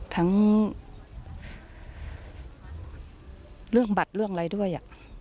ทั้งเรื่องบัตรเรื่องอะไรด้วย